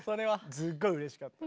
すっごいうれしかった。